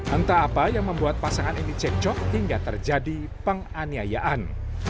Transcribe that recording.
entah apa yang membuat pasangan ini cekcok hingga terjadi penganiayaan